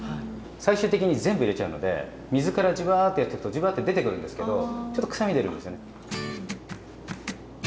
最終的に全部入れちゃうので水からじわっとやってくとじわって出てくるんですけどちょっと臭み出るんですよね。